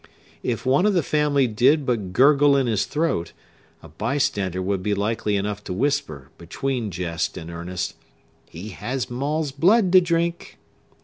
If one of the family did but gurgle in his throat, a bystander would be likely enough to whisper, between jest and earnest, "He has Maule's blood to drink!"